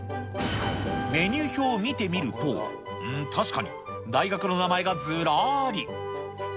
メニュー表を見てみると、確かに大学の名前がずらーり。